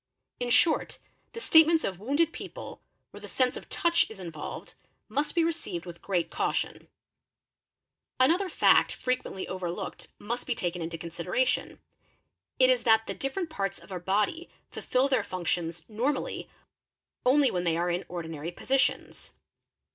In short the statements of wounded people, where — the sense of touch is involved, must be received with great caution™ | Another fact frequently overlooked must be taken into consideration ; it is that the different parts of our body fulfil their functions normally — only when they are in ordinary positions.